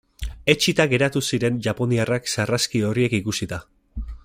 Etsita geratu ziren japoniarrak sarraski horiek ikusita.